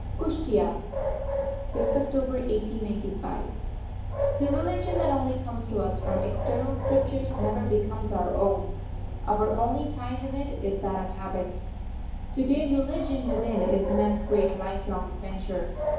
KUSHTEA, 5th October 1895. The religion that only comes to us from external scriptures never becomes our own; our only tie with it is that of habit. To gain religion within is man's great lifelong adventure.